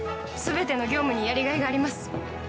全ての業務にやりがいがあります。